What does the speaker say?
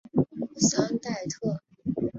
桑代特。